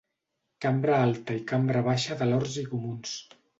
Cambra alta i Cambra baixa de Lords i Comuns.